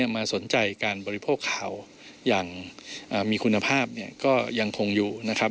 มาสนใจการบริโภคข่าวอย่างมีคุณภาพเนี่ยก็ยังคงอยู่นะครับ